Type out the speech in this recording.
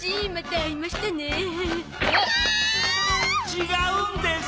違うんです！